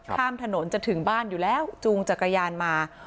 ข้ามถนนจะถึงบ้านอยู่แล้วจูงจักรยานมา